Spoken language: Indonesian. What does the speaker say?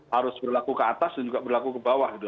harus berlaku ke atas dan juga berlaku ke bawah gitu